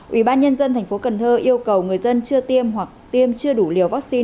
ủy ban nhân dân thành phố cần thơ yêu cầu người dân chưa tiêm hoặc tiêm chưa đủ liều vaccine